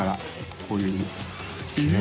こういうね。